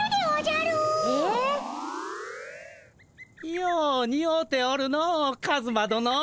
ようにおうておるのカズマどの。